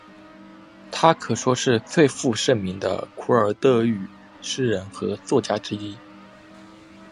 她可说是最负盛名的库尔德语诗人和作家之一。